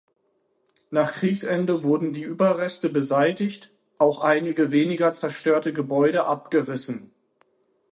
Nach Kriegsende wurden die Überreste beseitigt, auch einige weniger zerstörte Gebäude abgerissen.